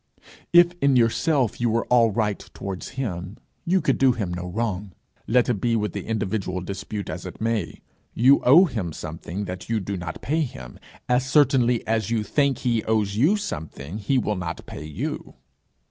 If in yourself you were all right towards him, you could do him no wrong. Let it be with the individual dispute as it may, you owe him something that you do not pay him, as certainly as you think he owes you something he will not pay you.'